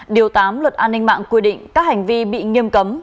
điều tám luật an ninh mạng quy định các hành vi bị nghiêm cấm